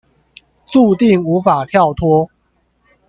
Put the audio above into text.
註定無法跳脫